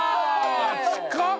近っ！